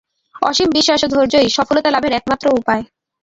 অসীম বিশ্বাস ও ধৈর্যই সফলতালাভের একমাত্র উপায়।